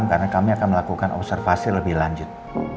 karena kami akan melakukan observasi lebih lanjut